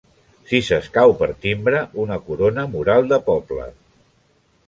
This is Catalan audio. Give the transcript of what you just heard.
Si s'escau per timbre una corona mural de poble.